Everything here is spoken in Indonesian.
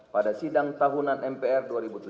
pada sidang tahunan mpr dua ribu tujuh belas